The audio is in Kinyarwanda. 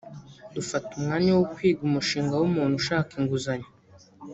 Dufata umwanya wo kwiga umushinga w’umuntu ushaka inguzanyo